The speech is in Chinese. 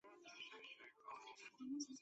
滇假夜来香